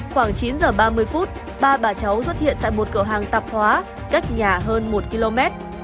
khoảng chín giờ ba mươi phút ba bà cháu xuất hiện tại một cửa hàng tạp hóa đất nhà hơn một km